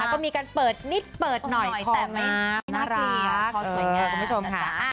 ก็มีกันเปิดนิดเปิดหน่อยพอมาน่ารักขอสวยงาน